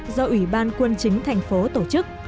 do ủy ban quân chính thành phố tổ chức